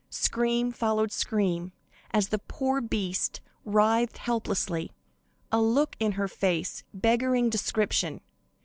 Scream followed scream as the poor beast writhed helplessly, a look in her face beggaring description.